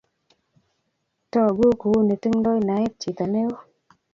togu kuuni tingdoi naet chito ne oo